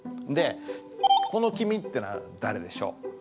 でこの「君」ってのは誰でしょう？